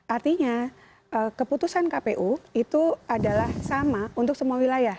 artinya keputusan kpu itu adalah sama untuk semua wilayah